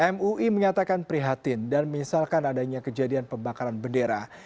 mui mengatakan prihatin dan menyesalkan adanya kejadian pembakaran bendera